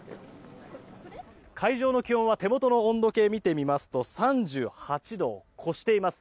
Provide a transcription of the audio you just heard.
会場の気温は手元の温度計見てみますと３８度を超しています。